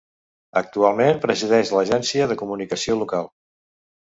Actualment presideix l'Agència de Comunicació Local.